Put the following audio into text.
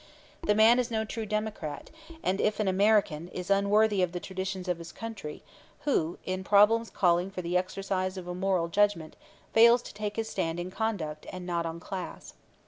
The man is no true democrat, and if an American, is unworthy of the traditions of his country who, in problems calling for the exercise of a moral judgment, fails to take his stand on conduct and not on class.